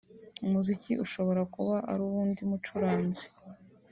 “umuziki ushobora kuba ari uw’undi mucuranzi